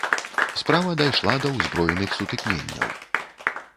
Справа дайшла да ўзброеных сутыкненняў.